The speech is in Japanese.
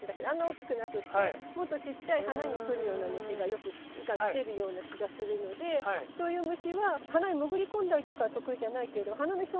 大きくなくってもっとちっちゃい花に来るような虫がよく来てるような気がするのでそういう虫は花に潜り込んだりとかは得意じゃないけれど花の表面